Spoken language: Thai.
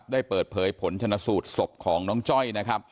ได้เปิดเผยผลชนะสูดสบของน้องจ้อย